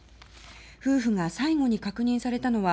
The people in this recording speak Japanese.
夫婦が最後に確認されたのは